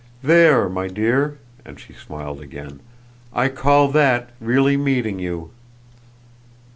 There, my dear!" and she smiled again. "I call that really meeting you."